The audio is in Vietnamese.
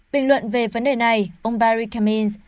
bình luận về vấn đề này ông barry cummings